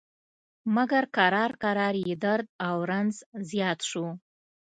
مګر کرار کرار یې درد او رنځ زیات شو.